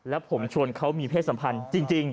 แล้วผมชวนเขามีเพศสัมพันธ์จริง